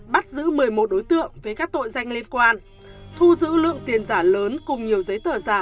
bắt giữ một mươi một đối tượng với các tội danh liên quan thu giữ lượng tiền giả lớn cùng nhiều giấy tờ giả